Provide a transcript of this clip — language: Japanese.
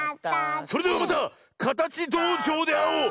それではまたかたちどうじょうであおう！